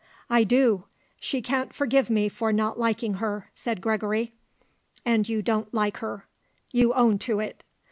"I do. She can't forgive me for not liking her," said Gregory. "And you don't like her. You own to it."